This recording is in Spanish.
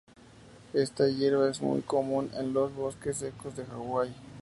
Esta hierba es muy común en los bosques secos de Hawaii.